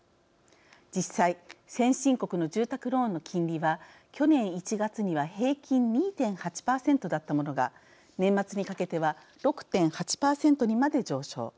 実際、先進国の住宅ローンの金利は去年１月には平均２．８％だったものが年末にかけては６．８％にまで上昇。